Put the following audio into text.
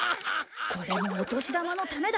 これもお年玉のためだ。